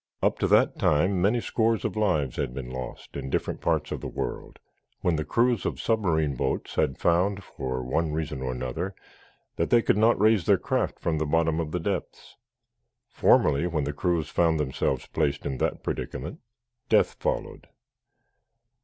Up to that time many scores of lives had been lost, in different parts of the world, when the crews of submarine boats had found, for one reason or another, that they could not raise their craft from the bottom of the depths. Formerly, when crews found themselves placed in that predicament, death followed.